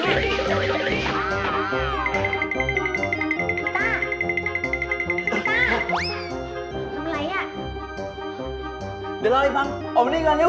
เดี๋ยวรออีกครั้งออกมานี่ก่อนเร็ว